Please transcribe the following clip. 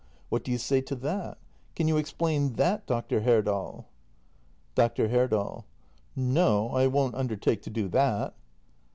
What do you say to that? Can you explain that, Dr. Herdal ? Dr. Herdal. No, I won't undertake to do that.